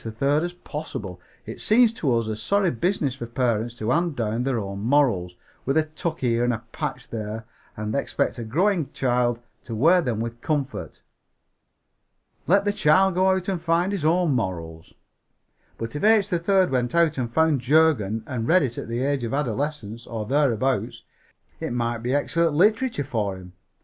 3rd as possible. It seems to us a sorry business for parents to hand down their own morals, with a tuck here and a patch there, and expect a growing child to wear them with any comfort. Let the child go out and find his own morals. But if H. 3rd went out and found Jurgen and read it at the age of adolescence, or thereabouts, it might be excellent literature for him.